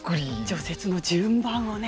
除雪の順番をね。